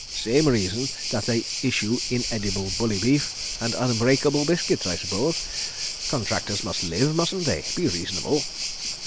"Same reason that they issue inedible bully beef and unbreakable biscuits, I s'pose—contractors must live, mustn't they? ... Be reasonable.